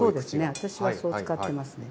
私はそう使ってますね。